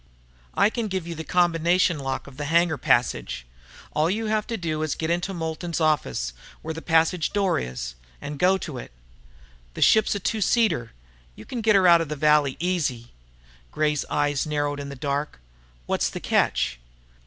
"I can give you the combination to the lock of the hangar passage. All you have to do is get into Moulton's office, where the passage door is, and go to it. The ship's a two seater. You can get her out of the valley easy." Gray's eyes narrowed in the dark. "What's the catch?"